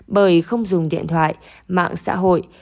bởi không dùng điện thoại mạng xã hội